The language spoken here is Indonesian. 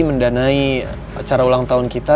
mendanai acara ulang tahun kita